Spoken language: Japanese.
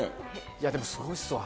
いや、でもすごいっすわ。